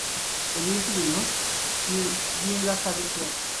Ebintu bino bingasa bitya?